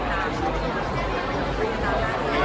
การรับความรักมันเป็นอย่างไร